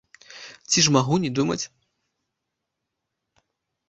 Ці ж магу не думаць?